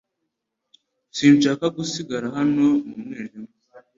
Sinshaka gusigara hano mu mwijima .